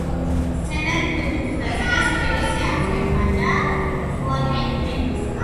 სცენარი ფილმისთვის დაწერეს კეისი აფლეკმა და ხოაკინ ფენიქსმა.